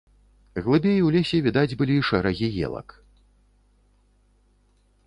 Глыбей у лесе відаць былі шэрагі елак.